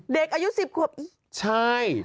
เด็กอายุ๑๐กว่าใช่